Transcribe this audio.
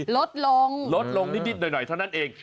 ลดลงลดลงนิดหน่อยเท่านั้นเอง